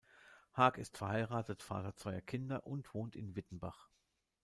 Haag ist verheiratet, Vater zweier Kinder und wohnt in Wittenbach.